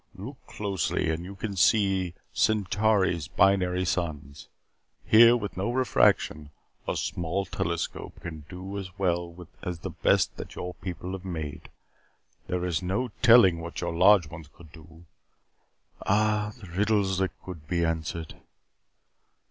"Look closely and you can see Centauri's binary suns. Here, with no refraction, a small telescope can do as well as the best that your people have made. There is no telling what your large ones could do. Ah, the riddles that could be answered."